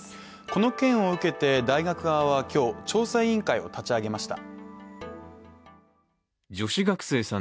この件を受けて、大学側は今日調査委員会を立ち上げました。